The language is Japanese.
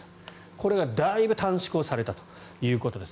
これがだいぶ短縮されたということです。